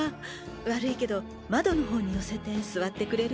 悪いけど窓の方に寄せて座ってくれる？